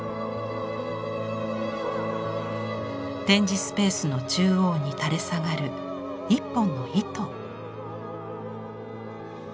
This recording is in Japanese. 展示スペースの中央に垂れ下がる１本の糸。